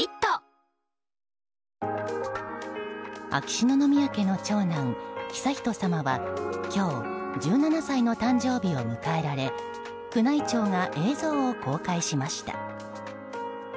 秋篠宮家の長男・悠仁さまは今日、１７歳の誕生日を迎えられ宮内庁が映像を公開しました。